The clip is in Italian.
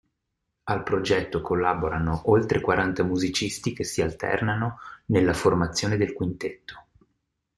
Al progetto collaborano oltre quaranta musicisti che si alternano nella formazione del quintetto.